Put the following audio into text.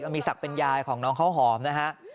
มีศักดิ์เป็นยายของน้องข้าวหอมนะฮะ